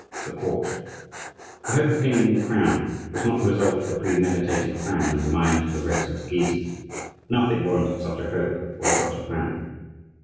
THE COURT The hope of gaining the crown was not the result of a premeditated plan in the minds of the restless Guises. Nothing warranted such a hope or such a plan.